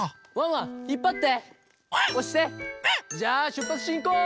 ワン！じゃあしゅっぱつしんこう！